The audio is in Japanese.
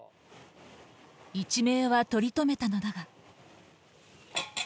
一命は取り留めたのだが。